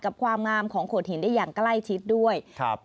ความงามของโขดหินได้อย่างใกล้ชิดด้วยครับ